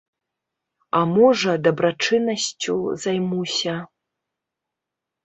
А можа, дабрачыннасцю займуся.